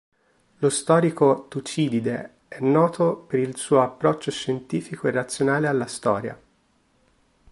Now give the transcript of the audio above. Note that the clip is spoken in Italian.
Lo storico Tucidide è noto per il suo approccio scientifico e razionale alla storia.